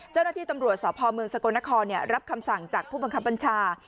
เจ้าหน้าที่ตำรวจสพเมืองสกลนครรับคำสั่งจากผู้บังคับบัญชา